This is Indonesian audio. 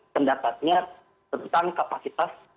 pendapatnya tentang kapasitas